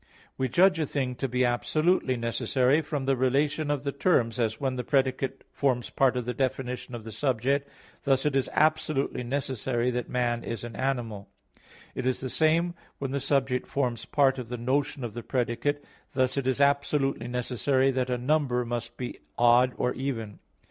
We judge a thing to be absolutely necessary from the relation of the terms, as when the predicate forms part of the definition of the subject: thus it is absolutely necessary that man is an animal. It is the same when the subject forms part of the notion of the predicate; thus it is absolutely necessary that a number must be odd or even.